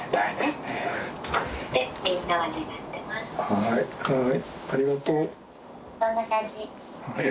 はいはい。